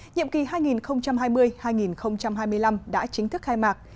nhiệm kỳ hai nghìn hai mươi hai nghìn hai mươi năm đã chính thức khai mạc